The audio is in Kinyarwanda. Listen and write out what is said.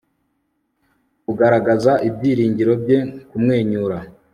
kugaragaza ibyiringiro bye kumwenyura